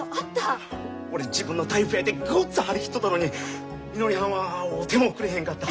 俺自分のタイプやてごっつ張り切っとったのにみのりはんは会うてもくれへんかった。